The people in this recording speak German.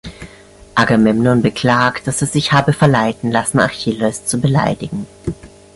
Agamemnon beklagt, dass er sich habe verleiten lassen, Achilleus zu beleidigen.